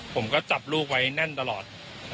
ผมก็จับลูกไว้แน่นตลอด